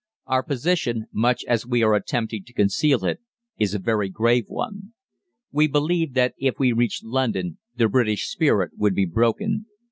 Our position, much as we are attempting to conceal it, is a very grave one. We believed that if we reached London the British spirit would be broken.